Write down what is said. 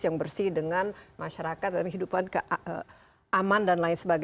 yang bersih dengan masyarakat dalam hidupan aman dan lain sebagainya